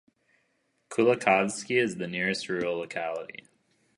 Kulikovsky is the nearest rural locality.